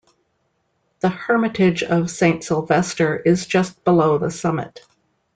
The hermitage of Saint Sylvester is just below the summit.